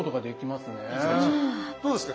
どうですか？